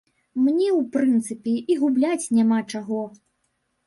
Мне, у прынцыпе, і губляць няма чаго.